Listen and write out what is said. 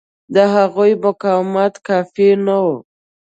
د هغوی مقاومت کافي نه و.